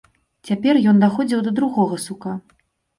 Цяпер ён даходзіў да другога сука.